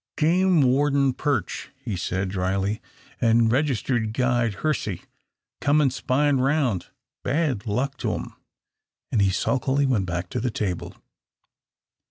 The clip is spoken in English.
"Game warden Perch," he said, dryly, "and registered guide Hersey. Comin' spyin' round bad luck to 'em," and he sulkily went back to the table.